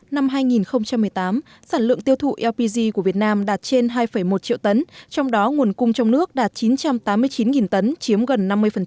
năm hai nghìn một mươi tám sản lượng tiêu thụ lpg của việt nam đạt trên hai một triệu tấn trong đó nguồn cung trong nước đạt chín trăm tám mươi chín tấn chiếm gần năm mươi